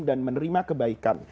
dan menerima kebaikan